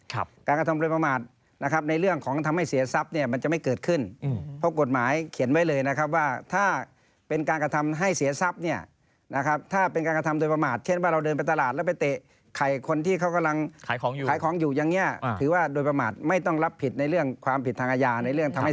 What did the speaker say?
การกระทำโดยประมาทนะครับในเรื่องของทำให้เสียทรัพย์เนี่ยมันจะไม่เกิดขึ้นเพราะกฎหมายเขียนไว้เลยนะครับว่าถ้าเป็นการกระทำให้เสียทรัพย์เนี่ยนะครับถ้าเป็นการกระทำโดยประมาทเช่นว่าเราเดินไปตลาดแล้วไปเตะไข่คนที่เขากำลังขายของอยู่ขายของอยู่อย่างเงี้ยถือว่าโดยประมาทไม่ต้องรับผิดในเรื่องความผิดทางอาญาในเรื่องทำให้